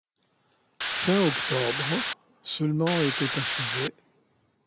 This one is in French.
Fin octobre, seulement étaient achevés.